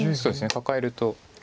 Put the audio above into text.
カカえると。